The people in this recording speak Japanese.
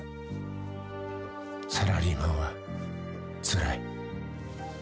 ［サラリーマンはつらい］